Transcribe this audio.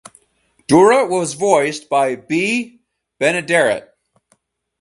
Dora was voiced by Bea Benaderet.